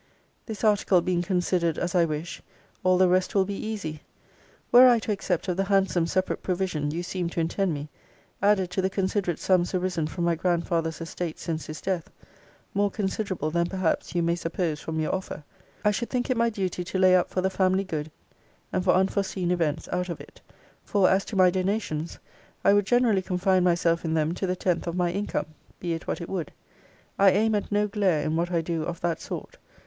'This article being considered as I wish, all the rest will be easy. Were I to accept of the handsome separate provision you seem to intend me; added to the considerate sums arisen from my grandfather's estate since his death (more considerable than perhaps you may suppose from your offer); I should think it my duty to lay up for the family good, and for unforseen events, out of it: for, as to my donations, I would generally confine myself in them to the tenth of my income, be it what it would. I aim at no glare in what I do of that sort.